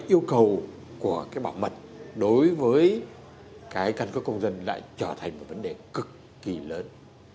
yêu cầu của cái bảo mật đối với cái căn cước công dân lại trở thành một vấn đề cực kỳ lớn